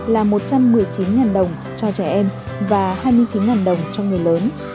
là một trăm một mươi chín đồng cho trẻ em và hai mươi chín đồng cho người lớn